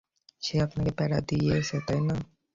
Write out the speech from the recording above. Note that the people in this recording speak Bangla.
সে আপনাকে প্যারা দিয়েছে, তাই না?